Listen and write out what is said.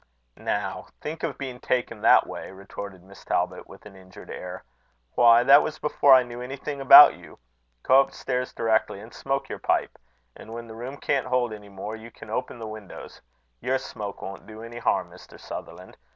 "Now, think of being taken that way!" retorted Miss Talbot, with an injured air. "Why, that was before I knew anything about you. Go up stairs directly, and smoke your pipe; and when the room can't hold any more, you can open the windows. Your smoke won't do any harm, Mr. Sutherland.